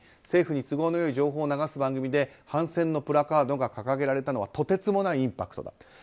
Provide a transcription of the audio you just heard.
政府に都合の良い情報を流す番組で反戦のプラカードが掲げられたのはとてつもないインパクトだと。